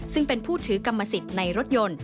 ซึ่งเป็นผู้ถือกรรมสิทธิ์ในรถยนต์